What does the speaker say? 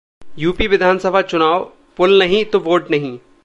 UP विधानसभा चुनाव: पुल नहीं तो वोट नहीं